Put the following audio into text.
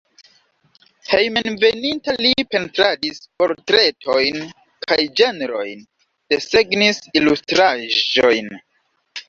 Hejmenveninta li pentradis portretojn kaj ĝenrojn, desegnis ilustraĵojn.